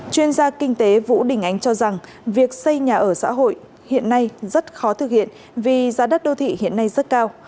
chuyên gia kinh tế vũ đình ánh cho rằng việc xây nhà ở xã hội hiện nay rất khó thực hiện vì giá đất đô thị hiện nay rất cao